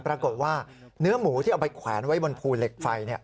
ปรากฏว่าเนื้อหมูที่เอาไปแขวนไว้บนภูเหล็กไฟ